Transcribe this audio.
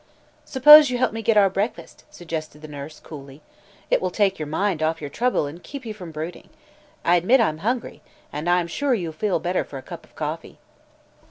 "Suppose you help me get our breakfast," suggested the nurse, coolly. "It will take your mind off your trouble and keep you from brooding. I admit I'm hungry, and I'm sure you'll feel better for a cup of coffee."